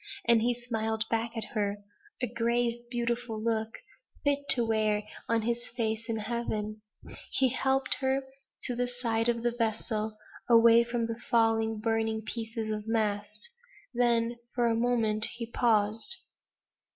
And he smiled back at her; a grave, beautiful look, fit to wear on his face in heaven. He helped her to the side of the vessel, away from the falling burning pieces of mast. Then for a moment he paused.